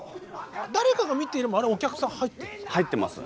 「誰かが、見ている」もあれお客さん入ってるんですか？